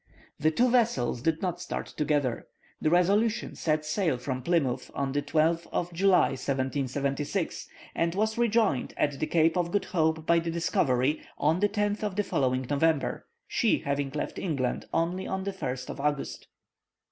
The two vessels did not start together. The Resolution set sail from Plymouth on the 12th of July, 1776, and was rejoined at the Cape by the Discovery on the 10th of the following November, she having left England only on the 1st of August.